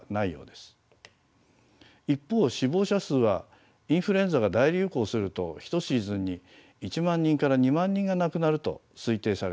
一方死亡者数はインフルエンザが大流行すると１シーズンに１万人から２万人が亡くなると推定されています。